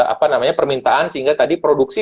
apa namanya permintaan sehingga tadi produksi